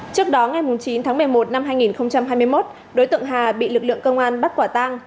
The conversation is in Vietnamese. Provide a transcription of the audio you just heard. trước đó ngày chín tháng một mươi một năm hai nghìn hai mươi một đối tượng hà bị lực lượng công an bắt quả tang